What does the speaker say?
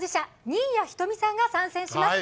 新谷仁美さんが参戦します。